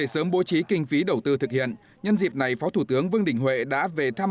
sớm bố trí kinh phí đầu tư thực hiện nhân dịp này phó thủ tướng vương đình huệ đã về thăm